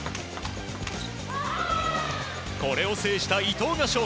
これを制した伊藤が勝利。